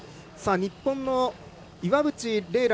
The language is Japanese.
日本の岩渕麗